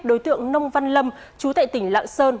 đối tượng nông văn lâm chú tại tỉnh lạng sơn